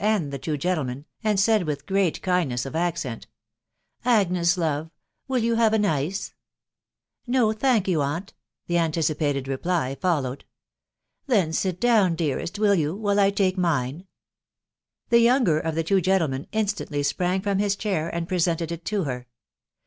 anil the two gentlemen, and said with great kindness of acsaofc .... u Agnes, lore P .... wi&f yen have an. iee^" " No, thank you, aunt/' ..*. the anticipated vasty} fife lowed. "Then Bit down, dearest, will yew?'. ..• white 1 tahe> mine." The younger of the two gentlemen it* tairtiy sprang from his chair, and presented it to. her.